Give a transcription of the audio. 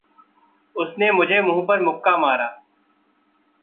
उसने मुझे मुँह पर मुक्का मारा।